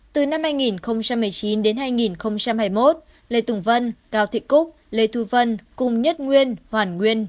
từ năm hai nghìn một mươi chín đến hai nghìn hai mươi một lê tùng vân cao thị cúc lê thu vân cùng nhất nguyên hoàn nguyên